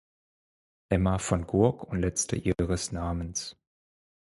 Hemma von Gurk und letzte ihres Namens.